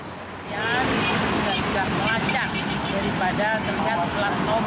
tapi kami juga memperlakukan cctv yang berada di mana kendaraan itu keluar dari jalan tol